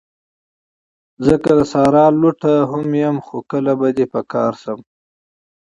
زه که د صحرا لوټه هم یم، خو کله به دي په کار شم